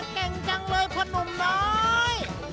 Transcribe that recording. เก่งจังเลยพ่อนุ่มน้อย